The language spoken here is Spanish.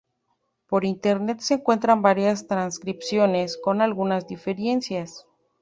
Por internet se encuentran varias transcripciones con algunas diferencias.